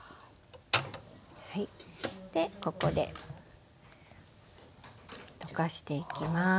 ここで溶かしていきます。